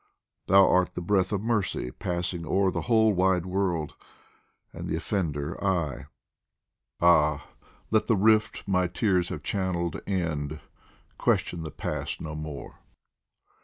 Thou art the breath of mercy passing o'er The whole wide world, and the offender I ; Ah, let the rift my tears have channelled end, Question the past no more